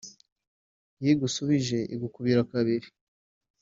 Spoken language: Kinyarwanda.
iyo igusubije igukubira kabiri